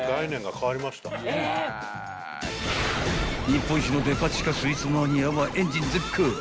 ［日本一のデパ地下スイーツマニアはエンジン全開］